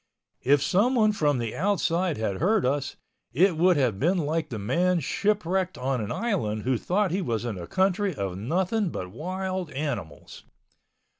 If someone from the outside had heard us, it would have been like the man shipwrecked on an island who thought he was in a country of nothing but wild animals.